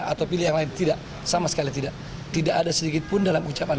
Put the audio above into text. atau pilih yang lain tidak sama sekali tidak tidak ada sedikit pun